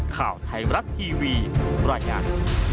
ข่าวไทยรัฐทีวีประหยัด